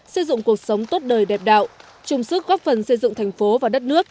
xây dựng cuộc sống tốt đời đẹp đạo chung sức góp phần xây dựng thành phố và đất nước